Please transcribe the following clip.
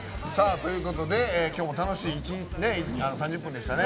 今日も楽しい３０分でしたね。